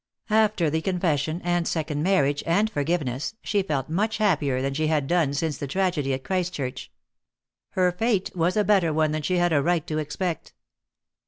After the confession and second marriage and forgiveness, she felt much happier than she had done since the tragedy at Christchurch. Her fate was a better one than she had a right to expect.